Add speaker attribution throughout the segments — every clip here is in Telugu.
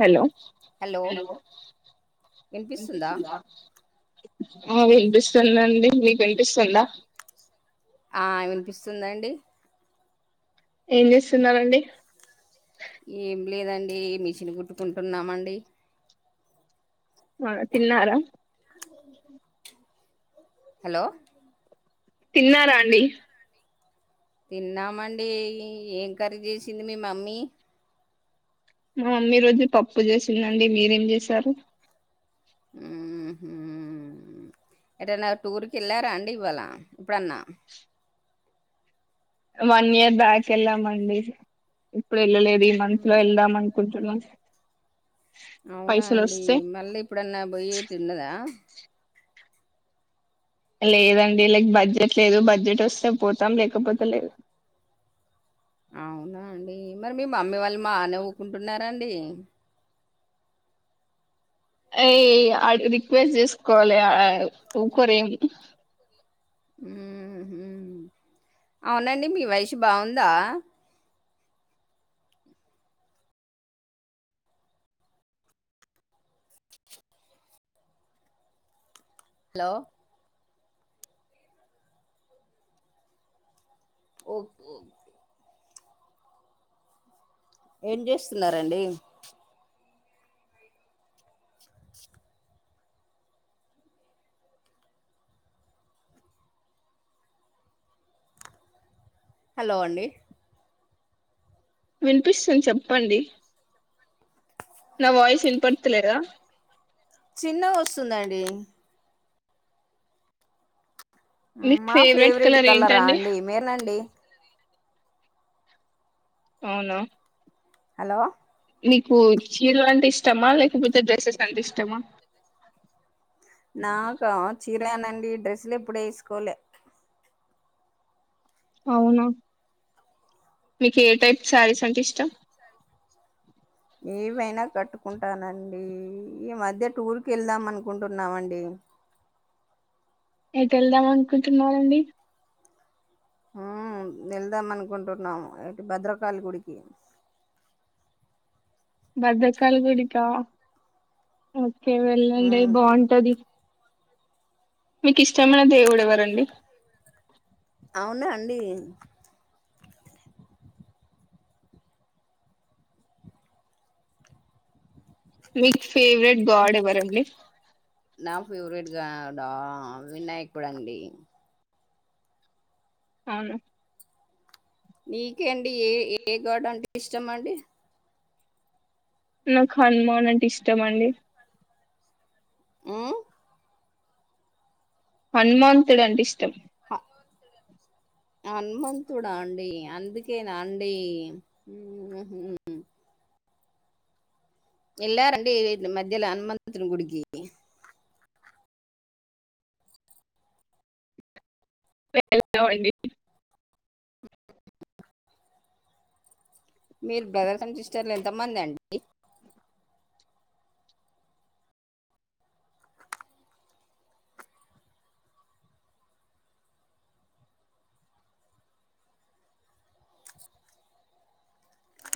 Speaker 1: హలో
Speaker 2: హలో వినిపిస్తుందా
Speaker 1: ఆ వినిపిస్తుందండి మీకు వినిపిస్తుందా
Speaker 2: ఆ వినిపిస్తుందండి
Speaker 1: ఏం చేస్తున్నరండి
Speaker 2: ఏం లేదండి మిషన్ కుట్టుకుంటున్నామండి
Speaker 1: తిన్నారా
Speaker 2: హలో
Speaker 1: తిన్నారా అండి
Speaker 2: తిన్నామండి ఎం కర్రీ చేసింది మీ మమ్మీ
Speaker 1: మా మమ్మీ ఈ రోజు పప్పు చేసిందండి మీరేం చేశారు
Speaker 2: ఉహు ఎటైనా టూర్కి వెళ్ళారా అండి ఇవాళ ఇప్పుడన్న
Speaker 1: వన్ ఇయర్ బ్యాక్ వెళ్ళామండి ఇప్పుడు వెళ్ళలేదు ఈ మంత్ లో వెళ్దాం అనుకుంటున్నాం
Speaker 2: అవునా
Speaker 1: పైసలు
Speaker 2: అండి
Speaker 1: వస్తే
Speaker 2: మళ్ళీ ఇప్పుడన్నా పోయ్యేటి ఉన్నదా
Speaker 1: లేదండి లైక్ బడ్జెట్ లేదు బడ్జెట్ వస్తే పోతాం లేకపోతే లేదు
Speaker 2: అవునా అండి మరి మీ మమ్మీ వాళ్ళు మానేవ్వుకుంటున్నారండి
Speaker 1: అయ ఆడ రిక్వెస్ట్ చేసుకోవాలి ర ఉకోరు ఏం
Speaker 2: ఉహూ అవునండి మీ వయసు బాగుందా హలో ఓ ఏం చేస్తున్నారండి హలో అండి
Speaker 1: వినిపిస్తుంది చెప్పండి నా వయిస్ ఇనపడతాలేదా
Speaker 2: చిన్నగా వస్తుందండి
Speaker 1: మీ
Speaker 2: మా ఫేవరెట్
Speaker 1: కలర్
Speaker 2: కలరా
Speaker 1: ఏంటండి
Speaker 2: అండి మెరూన్ అండి
Speaker 1: అవునా
Speaker 2: హలో
Speaker 1: నీకు చీరలు అంటే ఇష్టమా లేకపోతే డ్రెస్సెస్ అంటే ఇష్టమా
Speaker 2: నాక చిరలేనండి డ్రెస్సులు ఎప్పుడు వేసుకోలే
Speaker 1: అవునా మీకు ఏ టైప్ శారీస్ అంటే ఇష్టం
Speaker 2: ఏమైనా కట్టుకుంటానండి ఈ మధ్య టూర్కి వెళ్దాం అనుకుంటున్నామండి
Speaker 1: ఎటు వెళ్దాం అనుకుంటున్నారండి
Speaker 2: హ వెళ్దాం అనుకుంటున్నాము భద్రకాళి గుడికి
Speaker 1: భద్రకాళి గుడికా ఓకే వెళ్ళండి
Speaker 2: ఉమ్
Speaker 1: బాగుంటది మీకు ఇష్టమైన దేవుడు ఎవరండి
Speaker 2: అవునా అండి
Speaker 1: మీ ఫేవరెట్ గాడ్ ఎవరండి
Speaker 2: నా ఫేవరెట్ గాడ్ ఆ వినాయకుడు అండి
Speaker 1: అవున
Speaker 2: నీకేండి ఏ ఏ గాడ్ అంటే ఇష్టం అండి
Speaker 1: నాకు హనుమాన్ అంటే ఇష్టం అండి
Speaker 2: ఆ
Speaker 1: హనుమంతుడు అంటే ఇష్టం
Speaker 2: హనుమంతుడా అండి అందుకే నా అండి ఉమ్ హు యేళ్ళారండి ఈ మధ్యల హనుమంతుడు గుడికి
Speaker 1: వెళ్ళామండి
Speaker 2: మీరు బ్రదర్స్ అండ్ సిస్టర్లు ఎంత మంది అండి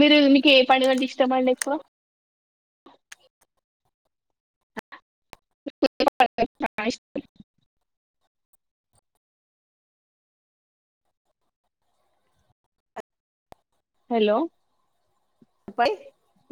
Speaker 1: మీరు మీకు ఏ పండగ అంటే ఇష్టమండి ఎక్కువ [unintelligible] నా ఇష్టం హలో
Speaker 2: పై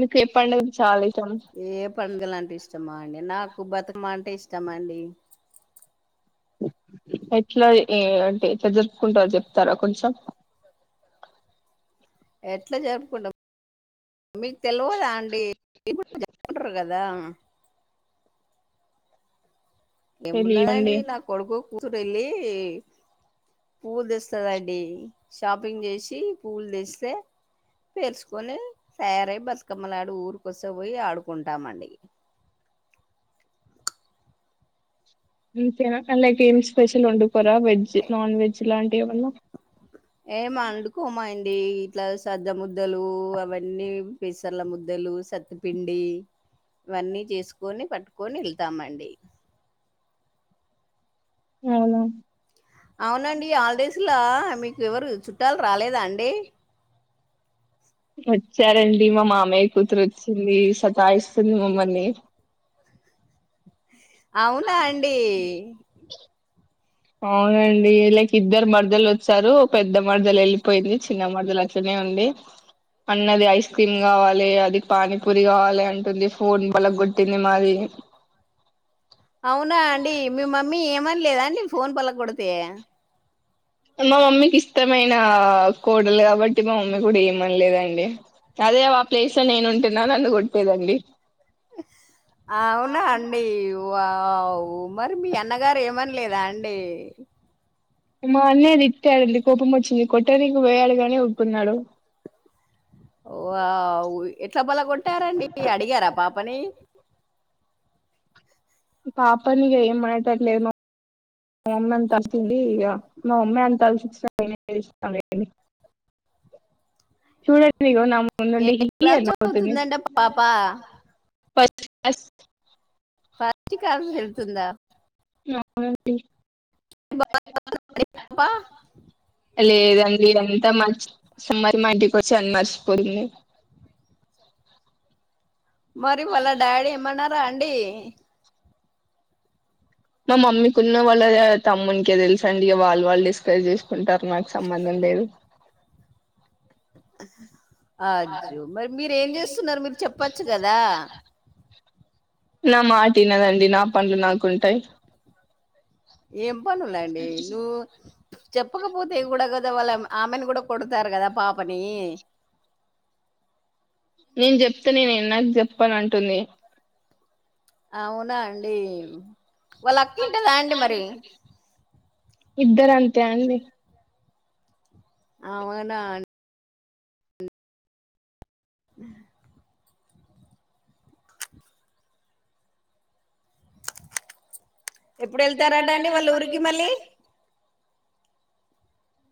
Speaker 1: మీకు ఏ పండుగ అంటే చాలా ఇష్టం
Speaker 2: ఏ పండుగలు అంటే ఇష్టమా అండి నాకు బతుకమ్మ అంటే ఇష్టమండి
Speaker 1: ఎట్లా అంటే జరుపుకుంటారో చెప్తారా కొంచెం
Speaker 2: ఎట్లా జరుపుకుంటాం మీకు తెలువదా అండి మీరు గూడ జరపుకుంటారు గదా దా
Speaker 1: తెలియదండి
Speaker 2: ఏమున్నాదండి నా కొడుకు కూతురు యెళ్ళి పూవులు దెస్తదండి షాపింగ్ జేసి పూవులు దెస్తే పెరుసుకొని తయారై బతుకమ్మ నాడు ఊరికొసకి బోయి ఆడుకుంటామండి
Speaker 1: ఇంతేనా కానీ లేక ఏమి స్పెషల్ వండుకోరా వెజ్ నాన్ వెజ్ లాంటివి ఏమన్నా
Speaker 2: ఏం వండుకోమండి ఇట్లా సజ్జ ముద్దలు అవన్నీ పెసర్ల ముద్దలు సత్తిపిండి ఇవన్నీ జేసుకొని పట్టుకొని యెళ్తామండి
Speaker 1: అవునా
Speaker 2: అవునండి హాలిడేస్ల మీకు ఎవరు చుట్టాలు రాలేదా అండి
Speaker 1: వచ్చారండి మా మామయ్య కూతురు వచ్చింది సతాయిస్తుంది మమ్మల్ని
Speaker 2: అవునా అండి
Speaker 1: అవునండి లైక్ ఇద్దరు మరదలు వచ్చారు పెద్ద మరదలు యెళ్ళిపోయింది చిన్న మరదలు వచ్ ఇక్కనే ఉంది అన్నది ఐస్ క్రీమ్ గావాలే అది పానీపూరి గావాలే అంటుంది ఫోన్ బలగొట్టింది మాది
Speaker 2: అవునా అండి మీ మమ్మీ ఏమన లేదాండి ఫోన్ బలగొడితే
Speaker 1: మా మమ్మీకి ఇష్టమైన కోడలు గాబట్టి మా మమ్మీ గూడా ఏమనలేదండి అదే ఆ ప్లేస్ లో నేను ఉంటున్నా నన్ను గొట్టేదండి
Speaker 2: అవునా అం డి వావ్ మరి మీ అన్నగారు ఏమనలేదా అండి
Speaker 1: మా అన్నయ తిట్టాడండి కోపం వచ్చింది కొట్ట నీకి పోయాడు గాని ఊకున్నాడు
Speaker 2: వావ్ ఎట్లా పలగొట్టారండి అడిగారా పాపని
Speaker 1: పాపని ఇగ ఏమనేటట్టు లేదు మ మా మమ్మి అంత అలుసిచింది ఇగ మా మమ్మి అంత అలుసు ఇచ్చినంక నేను ఏం జేస్తంలేండి చూడండి ఇదిగో
Speaker 2: ఏ
Speaker 1: నాముందుండి ఇహీ ఇహీ
Speaker 2: క్లాస్
Speaker 1: అని నవ్వుతుంది
Speaker 2: చదువుతుందంట పాప
Speaker 1: పస్ట్ క్లాస్
Speaker 2: పస్ట్ క్లాస్ యెళ్తుందా
Speaker 1: అవునండి
Speaker 2: [unintelligible]
Speaker 1: లేదండి ఇదంతా మ సమ్మర్ మా ఇంటికి వచ్చి అని మర్చిపోయింది
Speaker 2: మరి వాళ్ళ డాడీ ఏమన్నారా అండి
Speaker 1: మా మమ్మీకి ఉన్న వాళ్ళు తమ్మునికే తెలుసండి ఇగ వాళ్ళు వాళ్ళు డిస్కస్ చేసుకుంటారు నాకు సంబంధం లేదు
Speaker 2: అజ్జు మరి మీరు ఏం చేస్తున్నారు మీరు చెప్పచ్చు కదా
Speaker 1: నా మాట వినదండి నా పనులు నాకుంటాయి
Speaker 2: ఏం పనులండి యో చెప్పకపోతే కూడా కదా వాళ్ళ ఆమెను కూడా కొడతారు కదా పాపని
Speaker 1: నేను చెప్తే నే నాకు చెప్పను అంటుంది
Speaker 2: అవునా అండి వాళ్ళ అక్కింటదా అండి మరి
Speaker 1: ఇద్దర అంతే అండి
Speaker 2: అవునా ఎప్పుడు వెళ్తారట అండీ వాళ్ళ ఊరికి మళ్ళీ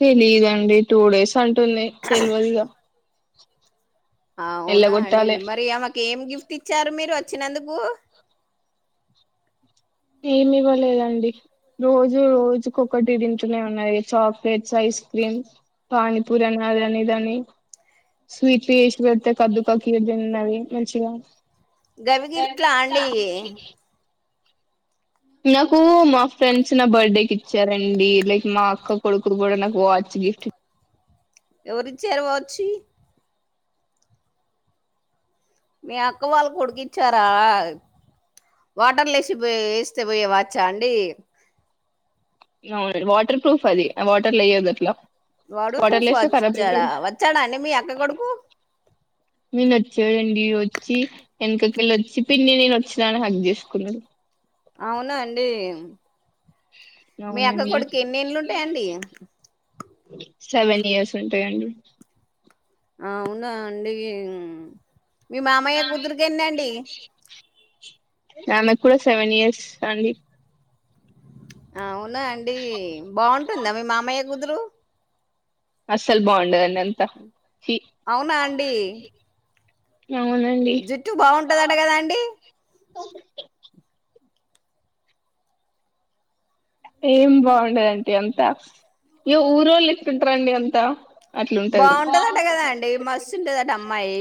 Speaker 1: తెలీయదండి టూ డేస్ అంటుంది తెలవదు ఇగా
Speaker 2: అవునా అండి మరి ఆమెకి ఏం గిఫ్ట్ ఇచ్చారు మీరు వచ్చినందుకు
Speaker 1: ఏమి ఇవ్వలేదండి రోజు రోజుకొక్కటి తింటూనే ఉన్నాయి చాక్లెట్స్ ఐస్ క్రీమ్ పానీపూరి అని అదని ఇదాని స్వీట్లు చేసి పెడితే కద్దు పకిీ తినాధి మంచిగా
Speaker 2: గవి గిఫ్ట్లా అండి
Speaker 1: [unintelligible] నాకు మా ఫ్రెండ్స్ నా బర్త్డేకి ఇచ్చారండి లైక్ మా అక్క కొడుకులు కూడా నాకు వాచ్ గిఫ్ట్ ఇ
Speaker 2: ఎవరిచ్చారు వచ్చీ మీ అక్క వాళ్ళు కొడికిచ్చారా వాటర్లు వేసిపో వేస్తే పోయేవాచ్చా అండి
Speaker 1: అవునండి వాటర్ ప్రూఫ్ అది వాటర్లు వేయ్యదు అట్లా
Speaker 2: వాటర్ ప్రూప్
Speaker 1: లో వేస్తే
Speaker 2: వాచ్
Speaker 1: కరాబ్
Speaker 2: ఇచ్చాడా
Speaker 1: అయితది
Speaker 2: వచ్చాడా అండి మీ అక్క కొడుకు
Speaker 1: [unintelligible] మీ నచ్చేడండి వచ్చి వెనకకి వెళ్ళి వచ్చి పిన్ని నేను వచ్చినాని హాగ్ చేసుకున్నాడు
Speaker 2: అవునా అండి మీ అక్క
Speaker 1: అవునండి
Speaker 2: కొడుకు ఎన్ని ఏళ్ళు ఉంటాయండి
Speaker 1: సెవెన్ ఇయర్స్ ఉంటాయండీ
Speaker 2: అవునా అండి మీ మామయ్య కూతురుకెన్నండి
Speaker 1: ఆమె కూడా సెవెన్ ఇయర్స్ అండి
Speaker 2: అవునా అండి బాగుంటుందా మీ మామయ్య కూతురు
Speaker 1: అస్సలు బాగుండదండి అంత ఛీ
Speaker 2: అవునా అండి
Speaker 1: అవునండి
Speaker 2: జుట్టు బాగుంటుందట కదా అండి
Speaker 1: ఏం బాగుండదంటీ అంతా ఇయ్యో ఊరు వాళ్ళు ఎట్టుంటరు అండి అంత
Speaker 2: బాగుంటదట కదా అండి మస్తు ఉంటదట అమ్మాయి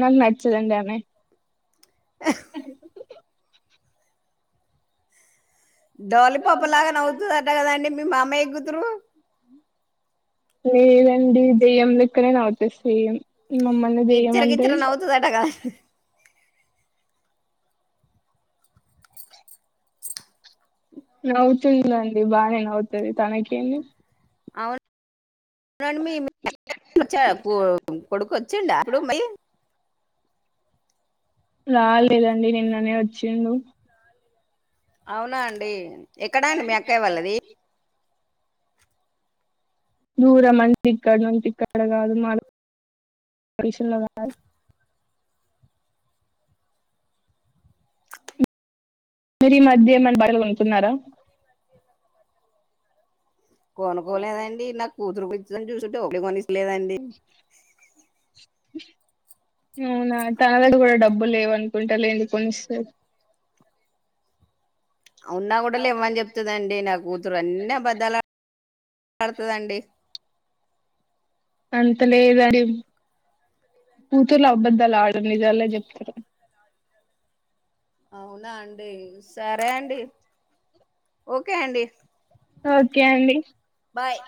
Speaker 1: నాకు నచ్చదండి ఆమె
Speaker 2: డోలిపాప లాగా నవ్వుతుందట కదండడి మీ మా మామయ్య కుతురు
Speaker 1: లేదండి దయ్యం లెక్కనే నవ్వుతది సేమ్ దెయ్యం
Speaker 2: కిచర్
Speaker 1: అంటే
Speaker 2: కిచర్ నవుతదట గా
Speaker 1: నవుతుందండి బాగానే నవుతుది తనకేంది
Speaker 2: [unintelligible] అండి మీ కొడుకు వచ్చండి అప్పుడు మళ్ీ
Speaker 1: రాలేేదండి నిన్ననే వచ్చిండు
Speaker 2: అవునా అండి ఎక్కడ అండి మీ అక్కయ వాళ్ళది
Speaker 1: దూర మంటి కడ నుంత కడ కాదు మషన్ [unintelligible] మీరు ఈ మధ్య ఏమైనా బాటలు కొనుక్కున్నారా
Speaker 2: కొనుకోలేదండి నాకు కూతురు కూని చూసింటేపలి కొనిసలేదండి
Speaker 1: అవునా తన దగ్గర కూడా డబ్బులు లేవు అనుకుంటాలేందు కొనిస్తరు
Speaker 2: అవున్నా కూడా లేవ్వని చెప్తుందండి నా కూతురు అన్నీ అబద్దాలులాడతదండి
Speaker 1: అంతలేదు అని కూతుర్లు అబద్దాలు ఆడరు నిజలే చెప్తారు
Speaker 2: అవునా అండి సరే అండి ఓకే అండి
Speaker 1: ఓకే అండి
Speaker 2: బాయ్